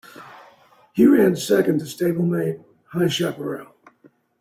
He ran second to stablemate High Chaparral.